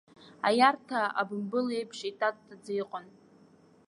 Аиарҭа абымбыл еиԥш итатаӡа иҟан.